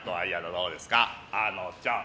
どうですか、あのちゃん。